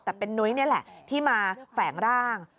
แต่เป็นนุ้ยนี่แหละที่มาแฝงร่าง